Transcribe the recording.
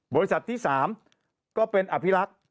บริษัทที่๓ก็เป็นอภิรักษ์